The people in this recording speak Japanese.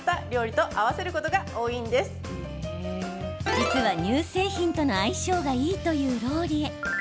実は乳製品との相性がいいというローリエ。